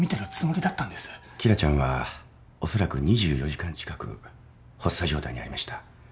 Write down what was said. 紀來ちゃんはおそらく２４時間近く発作状態にありました。